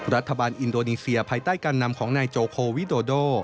รัฐบาลอินโดนีเซียภายใต้การนำของนายโจโควิโดโด